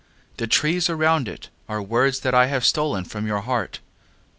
The trees around itAre words that I have stolen from your heart.